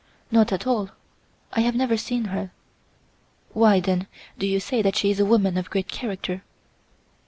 "Not at all. I have never seen her." "Why, then, do you say that she is a woman of great character?"